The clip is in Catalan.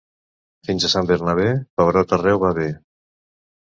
Fins a Sant Bernabé, pertot arreu va bé.